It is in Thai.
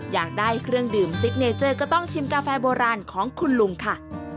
อยากได้เครื่องดื่มซิกเนเจอร์ก็ต้องชิมกาแฟโบราณของคุณลุงค่ะ